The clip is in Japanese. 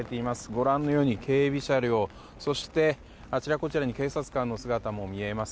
ご覧のように警備車両そして、あちらこちらに警察官の姿も見えます。